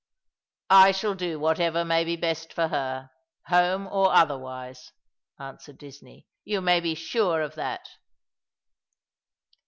" I shall do whatever may be best for her — home or other wise," answered Disney. " You may be sure of that.'